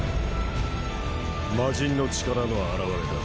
魔神の力の表れだ。